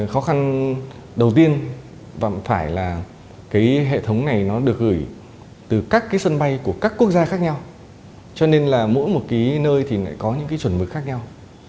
khó khăn đầu tiên và phải là cái hệ thống này nó được gửi từ các cái sân bay của các quốc gia khác nhau cho nên là mỗi một cái nơi thì lại có những cái chuẩn mực khác nhau